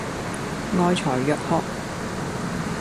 愛才若渴